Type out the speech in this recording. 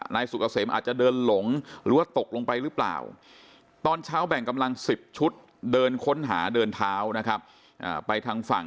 นายสุกเกษมอาจจะเดินหลงหรือว่าตกลงไปหรือเปล่า